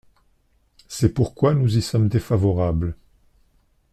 C’est pourquoi nous y sommes défavorables.